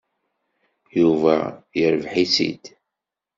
Yuba yerbeḥ-itt-id.